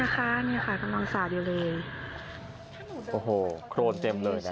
เลยค่ะวันนี้นี่นะคะนี่ค่ะกำลังสาดอยู่เลยโอ้โหโครนเต็มเลยนะครับ